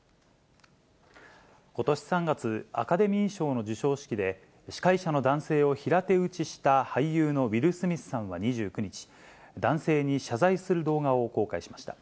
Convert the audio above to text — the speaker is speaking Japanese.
ことし３月、アカデミー賞の授賞式で、司会者の男性を平手打ちした俳優のウィル・スミスさんは２９日、男性に謝罪する動画を公開しました。